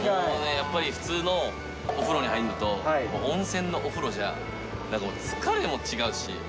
やっぱり普通のお風呂に入るのと、温泉のお風呂じゃなんかもう疲れも違うし。